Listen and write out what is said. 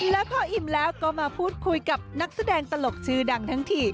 แล้วพออิ่มแล้วก็มาพูดคุยกับนักแสดงตลกชื่อดังทั้งที